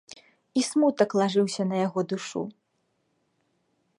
І смутак лажыўся на яго душу.